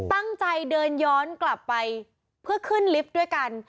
ตั้งใจเดินย้อนกลับไปเพื่อขึ้นลิฟต์ด้วยกัน